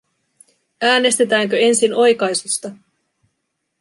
Äänestetäänkö ensin oikaisusta?